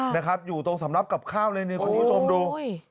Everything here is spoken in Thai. นะครับอยู่ตรงสำนับกลับข้าวคุณผู้ชมดู